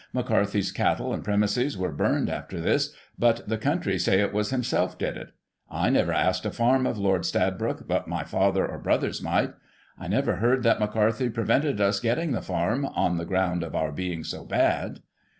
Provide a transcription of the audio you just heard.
McCarthy's cattle and premises were burned after this, but the coimtry say it was himself did it. I never asked a farm of Lord Stradbroke, but my father or brothers might. I never heard that McCarthy prevented us getting the farm, on the ground of our being so bad.